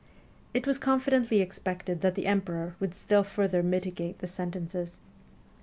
It was con fidently expected that the Emperor would still further mitigate the sentences.